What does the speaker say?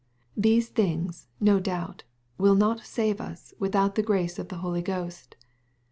These things, no doubt, will not save us without the grace of the Holy Ghost.